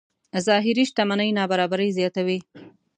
ظاهري شتمنۍ نابرابرۍ زیاتوي.